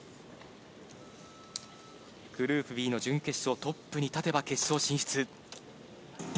グループＢの準決勝トップに立てば決勝進出。